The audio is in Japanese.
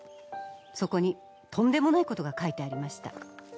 そこにとんでもないことが書いてありました。